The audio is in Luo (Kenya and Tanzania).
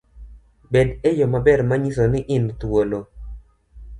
Bed eyo maber manyiso ni in thuolo